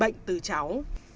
bệnh từ cháu